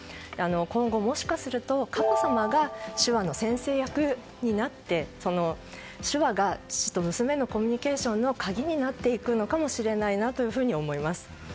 今後、もしかすると佳子さまが手話の先生役になってその手話が父と娘のコミュニケーションの鍵になっていくのかもしれないなと思います。